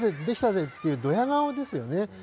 できたぜ！」っていうどや顔ですよね。